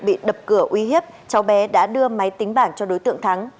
bị đập cửa uy hiếp cháu bé đã đưa máy tính bảng cho đối tượng thắng